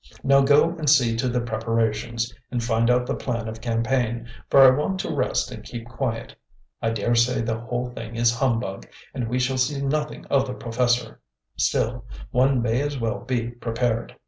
Now go and see to the preparations, and find out the plan of campaign, for I want to rest and keep quiet. I daresay the whole thing is humbug, and we shall see nothing of the Professor; still, one may as well be prepared."